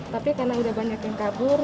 tapi karena udah banyak yang kabur